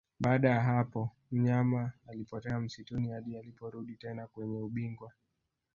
Baada ya hapo mnyama alipotea msituni hadi aliporudi tena kwenye ubingwa